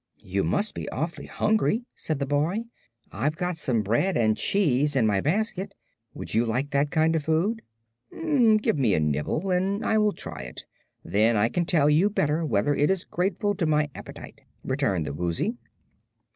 "You must be awfully hungry," said the boy. "I've got some bread and cheese in my basket. Would you like that kind of food?" "Give me a nibble and I will try it; then I can tell you better whether it is grateful to my appetite," returned the Woozy.